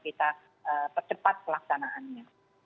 itu tetap harus diberikan proteksi